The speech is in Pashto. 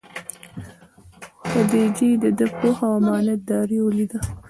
خدیجې دده پوهه او امانت داري ولیده.